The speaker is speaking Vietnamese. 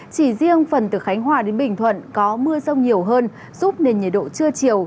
chỉ riêng phần từ khánh hòa đến bình thuận có mưa rông nhiều hơn giúp nền nhiệt độ trưa chiều